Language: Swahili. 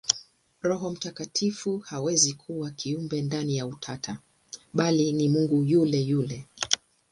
Roho Mtakatifu hawezi kuwa kiumbe ndani ya Utatu, bali ni Mungu yule yule.